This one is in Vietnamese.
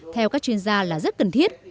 theo các chuyên gia là rất cần thiết